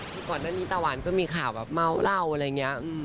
คือก่อนหน้านี้ตาหวานก็มีข่าวแบบเมาเหล้าอะไรอย่างนี้